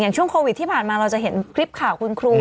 อย่างช่วงควบิทย์ที่ผ่านมาเราจะเห็นคลิปข่าวของคุณครู